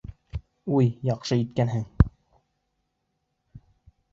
Уй, яҡшы иткәнһең!